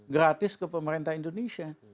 gratis ke pemerintah indonesia